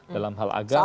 dalam hal agama